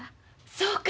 そうか。